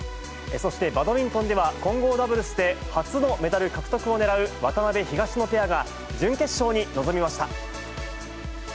そしてバドミントンでは、混合ダブルスで初のメダル獲得を狙う渡辺・東野ペアが準決勝に臨みました。